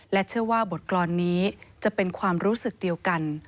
เชื่อว่าบทกรรมนี้จะเป็นความรู้สึกเดียวกัน